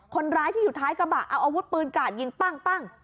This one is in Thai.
คนร้ายที่อยู่ท้ายกระบะเอาอาวุธปืนกราดยิงปั้ง